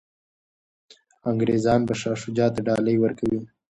انګریزان به شاه شجاع ته ډالۍ ورکوي.